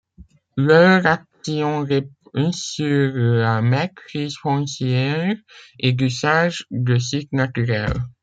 Leur action repose sur la maîtrise foncière et d'usage de sites naturels.